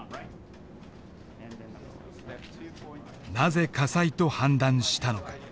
なぜ火災と判断したのか。